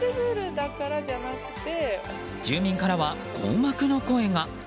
住民からは、困惑の声が。